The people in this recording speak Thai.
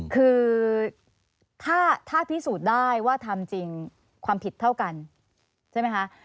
คือถ้าพิสูจน์ได้ว่าทำจริงความผิดเท่ากันใช่ไหมคะ